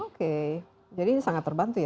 oke jadi sangat terbantu ya